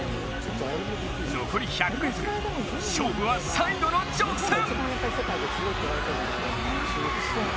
残り１００ｍ勝負は最後の直線！